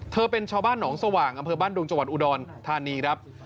เป็นชาวบ้านหนองสว่างอำเภอบ้านดุงจังหวัดอุดรธานีครับ